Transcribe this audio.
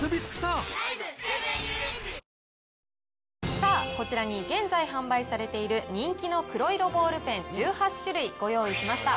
さあ、こちらに現在販売されている、人気の黒色ボールペン１８種類、ご用意しました。